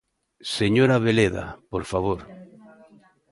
Señor Abeleda, por favor.